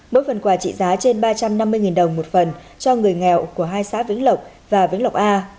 mỗi phần quà trị giá trên ba trăm năm mươi đồng một phần cho người nghèo của hai xã vĩnh lộc và vĩnh lộc a